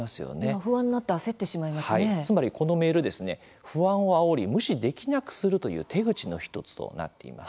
不安になってつまり、このメール不安をあおり、無視できなくするという手口の１つとなっています。